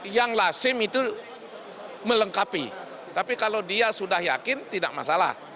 yang lasim itu melengkapi tapi kalau dia sudah yakin tidak masalah